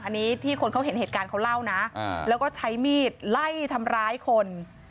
อันนี้ที่คนเขาเห็นเหตุการณ์เขาเล่านะแล้วก็ใช้มีดไล่ทำร้ายคน